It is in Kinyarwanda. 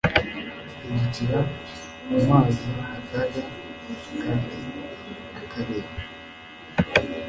hindukirira amazi akaga kandi akareba